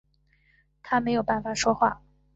他没有办法说话